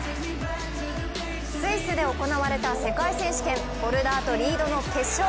スイスで行われた世界選手権ボルダーとリードの決勝。